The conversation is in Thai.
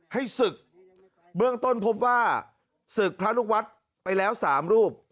ให้ศึกเบื้องต้นพบว่าศึกพระลูกวัดไปแล้ว๓รูป